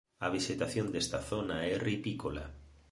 A vexetación desta zona é ripícola.